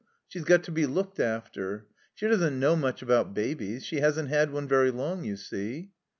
She's got to be looked after. She doesn't know much about babies. She hasn't had one very long, you see."